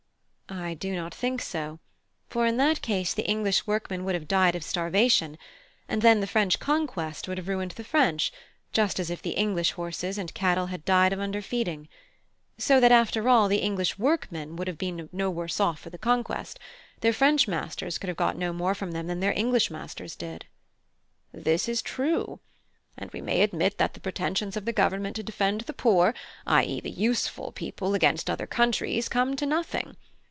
(I) I do not think so; for in that case the English workmen would have died of starvation; and then the French conquest would have ruined the French, just as if the English horses and cattle had died of under feeding. So that after all, the English workmen would have been no worse off for the conquest: their French Masters could have got no more from them than their English masters did. (H.) This is true; and we may admit that the pretensions of the government to defend the poor (i.e., the useful) people against other countries come to nothing.